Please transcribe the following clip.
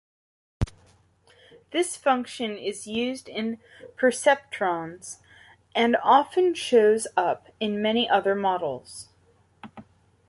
This function is used in perceptrons and often shows up in many other models.